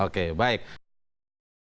terima kasih bang artyria